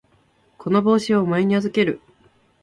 この帽子をお前に預ける。